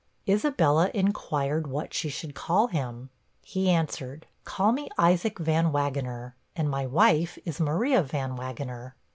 Isabella inquired what she should call him? He answered, 'call me Isaac Van Wagener, and my wife is Maria Van Wagener.'